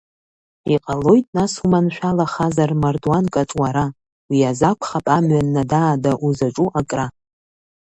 Иҟалоит нас уманшәалахазар мардуанк аҿ уара, уи аз акәхап амҩан нада-аада узаҿу акра.